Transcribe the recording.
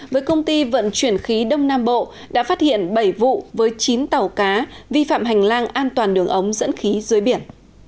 với công ty vận chuyển khí đông nam bộ đã phát hiện bảy vụ với chín tàu cá vi phạm hành lang an toàn đường ống dẫn khí dưới biển